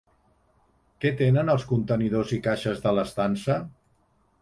Què tenen els contenidors i caixes de l'estança?